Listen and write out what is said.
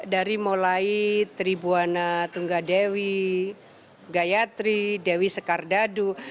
dari mulai tribuana tunggadewi gayatri dewi sekardadu